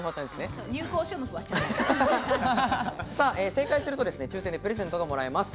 正解すると抽選でプレゼントがもらえます。